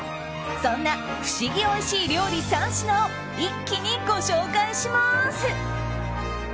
そんな不思議おいしい料理３品を一気にご紹介します。